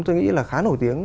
tôi nghĩ là khá nổi tiếng